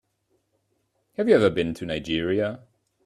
Have you ever been to Nigeria?